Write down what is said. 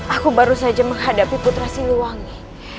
aku baru saja menghadapi putra siliwangi